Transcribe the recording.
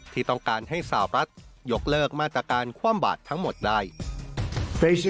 ที่ต้องการให้สาวรัฐยกเลิกมาตรการคว่ำบาดทั้งหมดได้